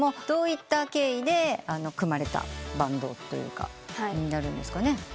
どういった経緯で組まれたバンドになるんですかね？